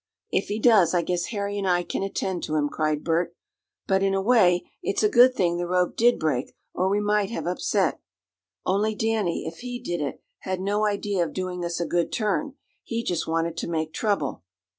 "If he does I guess Harry and I can attend to him," cried Bert. "But, in a way, it's a good thing the rope did break or we might have upset. Only Danny, if he did it, had no idea of doing us a good turn. He just wanted to make trouble."